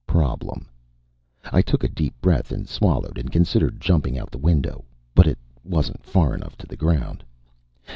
Problem. I took a deep breath and swallowed and considered jumping out the window. But it wasn't far enough to the ground.